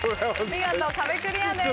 見事壁クリアです。